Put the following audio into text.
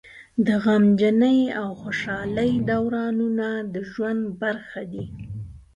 د غمجنۍ او خوشحالۍ دورانونه د ژوند برخه دي.